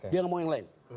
dia nggak mau yang lain